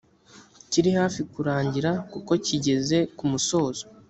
kiri hafi kurangira kuko kigeze kumusozo.